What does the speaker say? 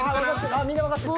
あっみんな分かってる。